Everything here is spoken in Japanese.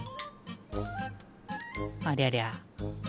ありゃりゃ。